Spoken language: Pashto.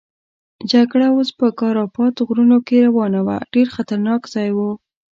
جګړه اوس په کارپات غرونو کې روانه وه، ډېر خطرناک ځای وو.